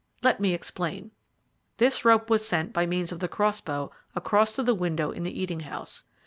Let me explain. This rope was sent by means of the crossbow across to the window in the eating house.